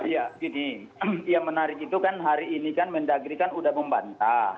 ya gini yang menarik itu kan hari ini kan mendagri kan udah membantah